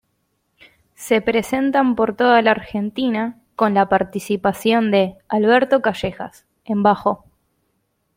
Se presentan por toda la Argentina, con la participación de "Alberto Callejas" en bajo.